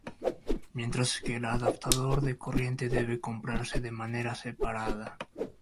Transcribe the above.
Mientras que el adaptador de corriente debe comprarse de manera separada.